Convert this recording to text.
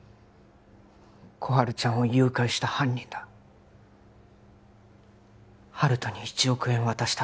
心春ちゃんを誘拐した犯人だ温人に１億円渡した